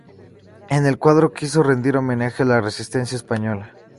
Con el cuadro quiso rendir homenaje a la resistencia española.